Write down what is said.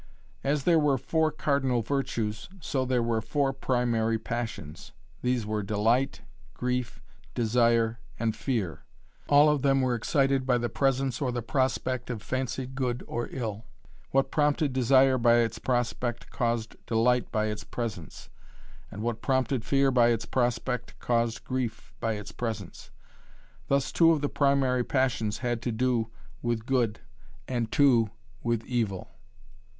As there were four cardinal virtues, so there were four primary passions. These were delight, grief, desire and fear. All of them were excited by the presence or the prospect of fancied good or ill. What prompted desire by its prospect caused delight by its presence, and what prompted fear by its prospect caused grief by its presence. Thus two of the primary passions had to do with good and two with evil.